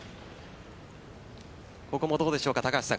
ここもどうでしょうか、高橋さん。